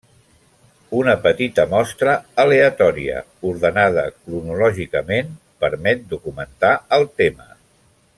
Una petita mostra aleatòria, ordenada cronològicament, permet documentar el tema.